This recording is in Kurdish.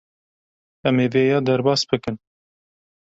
Em ê vêya derbas bikin.